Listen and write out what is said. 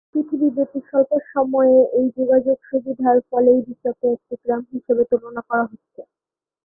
পৃথিবীব্যাপী স্বল্প সময়ে এই যোগাযোগ সুবিধার ফলেই বিশ্বকে একটি গ্রাম হিসেবে তুলনা করা হচ্ছে।